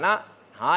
はい。